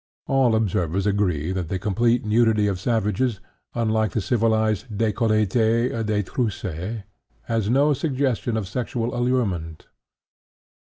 All observers agree that the complete nudity of savages, unlike the civilized décolleté or détroussé, has no suggestion of sexual allurement.